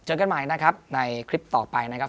เจอกันมาอีกนะครับในคลิปต่อไปนะครับ